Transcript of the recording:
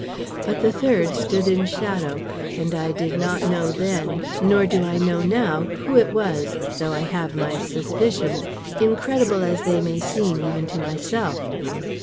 But the third stood in shadow, and I did not know then, nor do I know now, who it was, though I have my suspicions, incredible as they may seem even to myself.